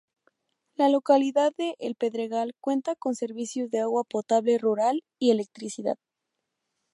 La localidad de El Pedregal cuenta con servicios de agua potable rural y electricidad.